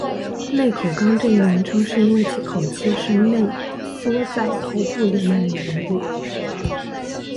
内口纲这一名称是因为其口器是内缩在头部里面的缘故。